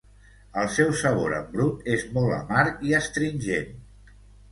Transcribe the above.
El seu sabor en brut és molt amarg i astringent.